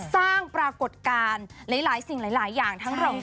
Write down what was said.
สร้างปรากฏการณ์หลายสิ่งหลายอย่างทั้งรอง